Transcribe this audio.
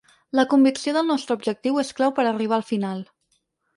La convicció del nostre objectiu és clau per a arribar al final.